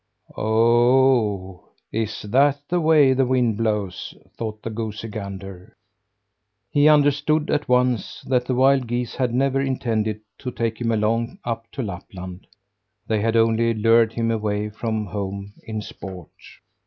"Oh! is that the way the wind blows," thought the goosey gander. He understood at once that the wild geese had never intended to take him along up to Lapland. They had only lured him away from home in sport.